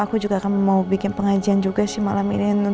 aku tatap hp bu framu